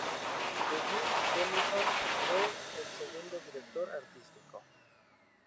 Judith Jamison fue el segundo director artístico.